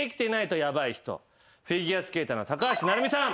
フィギュアスケーターの高橋成美さん。